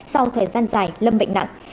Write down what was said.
sau thời gian dài lâm bệnh nặng